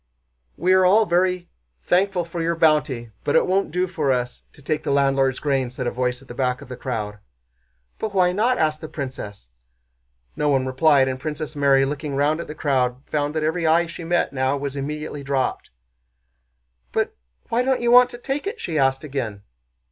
"We are all very thankful for your bounty, but it won't do for us to take the landlord's grain," said a voice at the back of the crowd. "But why not?" asked the princess. No one replied and Princess Mary, looking round at the crowd, found that every eye she met now was immediately dropped. "But why don't you want to take it?" she asked again.